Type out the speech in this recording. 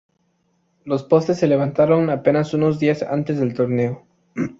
Los postes se levantaron apenas unos días antes del torneo.